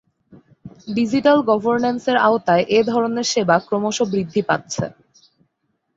Digital গভর্নেন্স-এর আওতার এ ধরনের সেবা ক্রমশ বৃদ্ধি পাচ্ছে।